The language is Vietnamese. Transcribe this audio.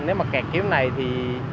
nếu mà kẹt kiếm này thì